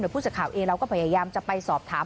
เดี๋ยวพูดจากข่าวเอเราก็พยายามจะไปสอบถาม